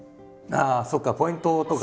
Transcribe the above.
ああそうかポイントとか。